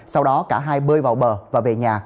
sau đó cả hai bơi vào bờ và về nhà